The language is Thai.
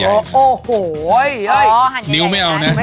อ่อหันแย่นิ้วไม่เอานะ